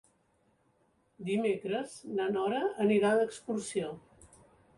Dimecres na Nora anirà d'excursió.